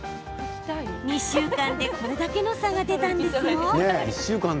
２週間でこれだけの差が出たんですよ。